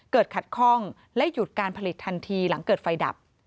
ขัดข้องและหยุดการผลิตทันทีหลังเกิดไฟดับ